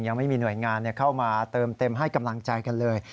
ยังไม่มีหน่วยงานเข้ามาเติมเต็มให้กำลังใจกันเลย